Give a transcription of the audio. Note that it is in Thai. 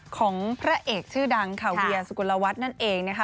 ของพระเอกชื่อดังค่ะเวียสุกลวัฒน์นั่นเองนะคะ